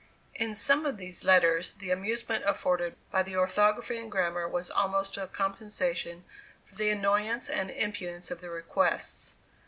In some of these letters, the amusement afforded by the orthography and grammar was almost a compensation for the annoyance and impudence of the requests.